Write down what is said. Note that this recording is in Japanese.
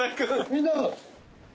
みんな。